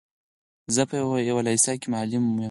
زه په يوه لېسه کي معلم يم.